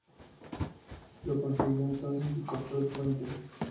Lo consiguió entonces y cortó el puente.